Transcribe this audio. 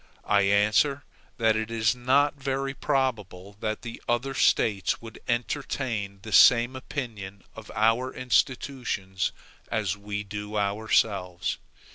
I answer that it is not very probable the other States would entertain the same opinion of our institutions as we do ourselves.